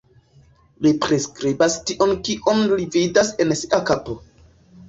Li priskribas tion kion li vidas en sia kapo.